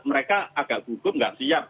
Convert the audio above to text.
mereka agak gugup tidak siap